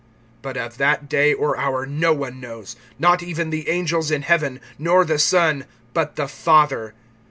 (32)But of that day or hour no one knows, not even the angels in heaven, nor the Son, but the Father.